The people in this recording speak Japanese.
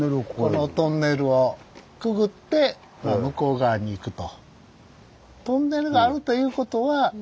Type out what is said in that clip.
このトンネルをくぐって向こう側に行くと。